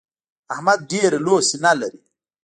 احمد ډېره لو سينه لري.